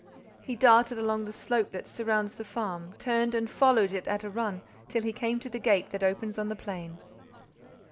He darted along the slope that surrounds the farm, turned and followed it, at a run, till he came to the gate that opens on the plain.